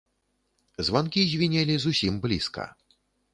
Званкі звінелі зусім блізка.